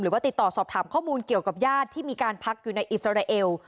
ติดต่อสอบถามข้อมูลเกี่ยวกับญาติที่มีการพักอยู่ในอิสราเอล